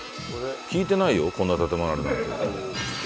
聞いてないよこんな建物あるなんて。